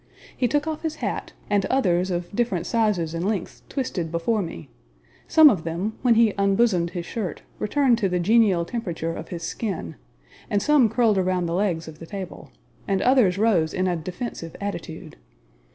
He took off his hat, and others of different sizes and lengths twisted before me; some of them, when he unbosomed his shirt, returned to the genial temperature of his skin; and some curled around the legs of the table, and others rose in a defensive attitude.